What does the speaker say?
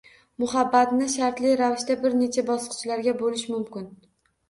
Muhabbatni shartli ravishda bir necha bosqichlarga bo`lish mumkin